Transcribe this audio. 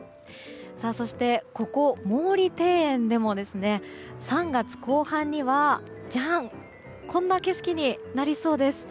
そして、ここ毛利庭園でも３月後半にはこんな景色になりそうです。